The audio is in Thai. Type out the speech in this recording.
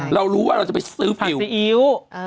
เรารู้ว่าเราจะไปซื้อผิวซีอิ๊ว